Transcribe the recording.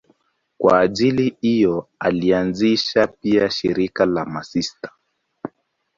Kwa ajili hiyo alianzisha pia shirika la masista.